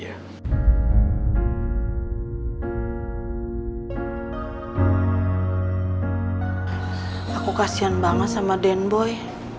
aku kasian banget sama denboy